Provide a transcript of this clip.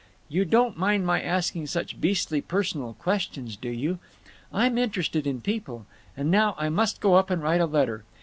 You don't mind my asking such beastly personal questions, do you? I'm interested in people…. And now I must go up and write a letter.